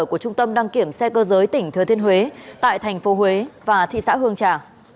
của trung tâm đăng kiểm xe cơ giới tỉnh thừa thiên huế tại thành phố huế và thị xã hương trà